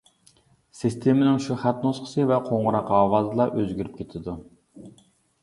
سىستېمىنىڭ شۇ خەت نۇسخىسى ۋە قوڭغۇراق ئاۋازىلا ئۆزگىرىپ كېتىدۇ.